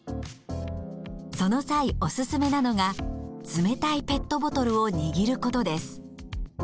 その際おすすめなのが冷たいペットボトルを握ることです。